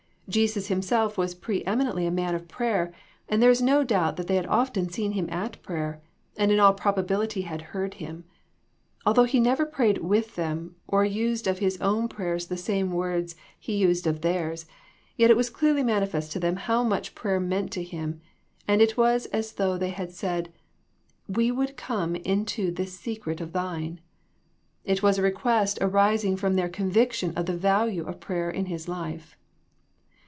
Jesus Himself was preeminently a man of prayer, and there is no doubt that they had often seen Him at prayer, in all probability had heard Him. Although He never prayed with them or used of His own prayers the same words He used of theirs, yet it was clearly manifest to them how much prayer meant to Him, and it is as though they had said, " We would come into this secret of Thine." It was a request arising from their conviction of the value of prayer in His life.